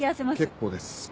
結構です。